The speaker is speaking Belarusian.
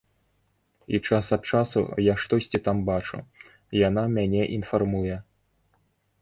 І час ад часу я штосьці там бачу, яна мяне інфармуе.